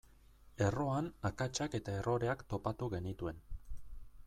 Erroan akatsak eta erroreak topatu genituen.